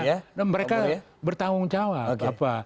iya nah mereka bertanggung jawab bapak